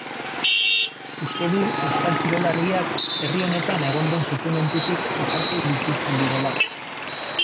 Uste du euskal kirolariak herri honetan egon den sufrimendutik aparte bizi izan direla.